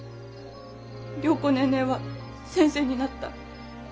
良子ネーネーは先生になった。